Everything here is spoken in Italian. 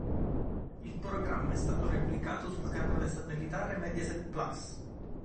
Il programma è stato replicato sul canale satellitare Mediaset Plus.